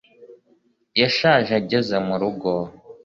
yashaje ageze murugo